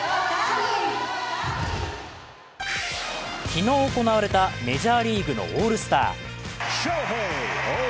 昨日行われたメジャーリーグのオールスター。